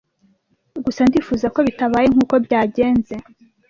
Gusa ndifuza ko bitabaye nkuko byagenze.